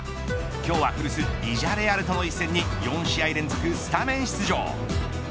今日は古巣ビジャレアルとの一戦に４試合連続スタメン出場。